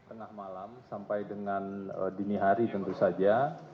tengah malam sampai dengan dini hari tentu saja